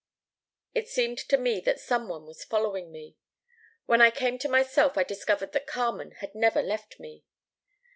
It seemed to me that some one was following me. When I came to myself I discovered that Carmen had never left me.